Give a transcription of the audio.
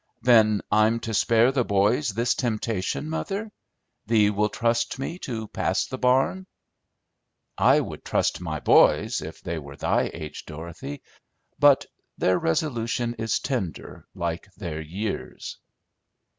"Then I'm to spare the boys this temptation, mother? Thee will trust me to pass the barn?" "I would trust my boys, if they were thy age, Dorothy; but their resolution is tender like their years."